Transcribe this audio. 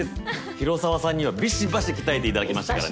広沢さんにはびしばし鍛えていただきましたからね。